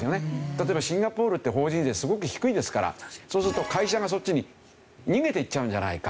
例えばシンガポールって法人税すごく低いですからそうすると会社がそっちに逃げていっちゃうんじゃないか？